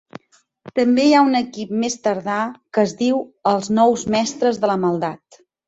També hi ha un equip més tardà que es diu els Nous Mestres de la Maldat.